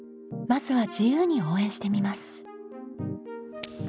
まずは自由に応援してみます。